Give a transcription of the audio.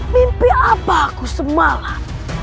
mimpi apa aku semalam